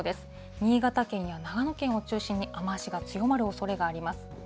新潟県や長野県を中心に雨足が強まるおそれがあります。